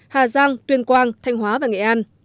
hà giang tuyên quang thanh hóa và nghệ an